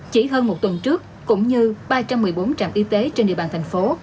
chỉ hơn một tuần trước cũng như ba trăm một mươi bốn trạm y tế trên địa bàn thành phố